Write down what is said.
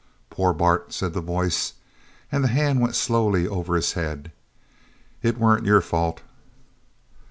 "Poor Bart!" said the voice, and the hand went slowly over his head. "It weren't your fault."